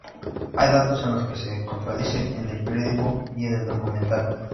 Hay datos en los que se contradice en el periódico y en el documental.